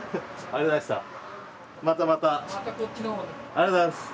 ありがとうございます。